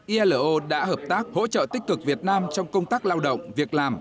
ilo đã hợp tác hỗ trợ tích cực việt nam trong công tác lao động việc làm